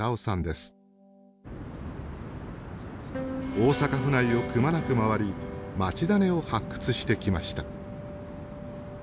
大阪府内をくまなく回り街ダネを発掘してきました。